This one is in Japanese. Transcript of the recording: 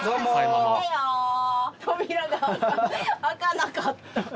扉が開かなかった。